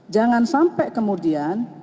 jangan sampai kemudian